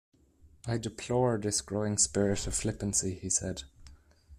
"I deplore this growing spirit of flippancy," he said.